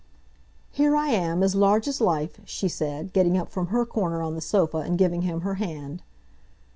"Here I am, as large as life," she said, getting up from her corner on the sofa and giving him her hand.